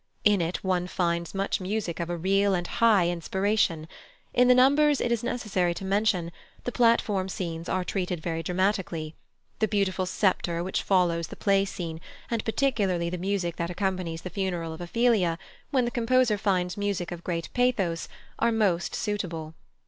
In it one finds much music of a real and high inspiration; in the numbers it is necessary to mention, the Platform scenes are treated very dramatically; the beautiful septuor which follows the Play scene, and particularly the music that accompanies the funeral of Ophelia, when the composer finds music of great pathos, are most suitable.